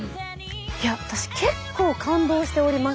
私結構感動しております。